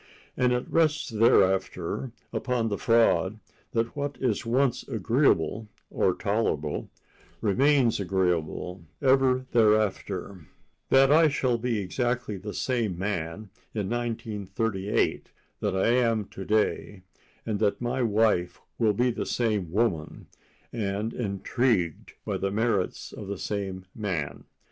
And it rests thereafter upon the fraud that what is once agreeable (or tolerable) remains agreeable ever thereafter—that I shall be exactly the same man in 1938 that I am to day, and that my wife will be the same woman, and intrigued by the merits of the same man.